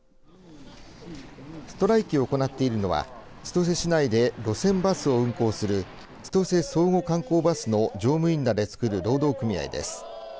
ストライキを行っているのは千歳市内で路線バスを運行する千歳相互観光バスの乗務員らで作る労働組合です。